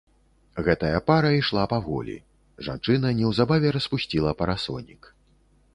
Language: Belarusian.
Гэтая пара ішла паволі, жанчына неўзабаве распусціла парасонік.